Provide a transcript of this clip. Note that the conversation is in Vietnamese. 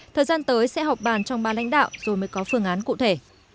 thời gian tới sẽ họp bàn trong ba lãnh đạo rồi mới có phương án cụ thể